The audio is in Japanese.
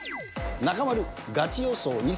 中丸ガチ予想